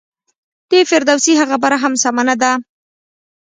د فردوسي هغه خبره هم سمه نه ده.